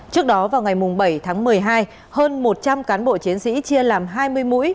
trước đó vào ngày bảy tháng một mươi hai hơn một trăm linh cán bộ chiến sĩ chia làm hai mươi mũi